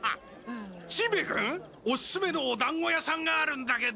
しんべヱ君おすすめのおだんご屋さんがあるんだけど。